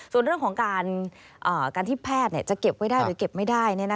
ส่วนเรื่องของการที่แพทย์จะเก็บไว้ได้หรือเก็บไม่ได้